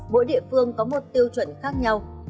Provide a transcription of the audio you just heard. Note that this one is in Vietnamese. mỗi địa phương có một tiêu chuẩn khác nhau